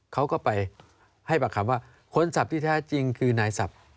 เขาก็ไปให้ปากคำว่าคนขับที่แท้จริงคือนายศัพท์